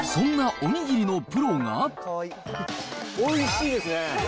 おいしいですね！